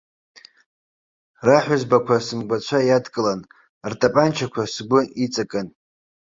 Раҳәызбақәа сымгәацәа иадкылан, ртапанчақәа сгәы иҵакын.